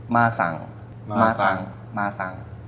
มาซัง